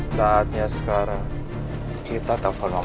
saatnya sekarang kita telfon sama kamu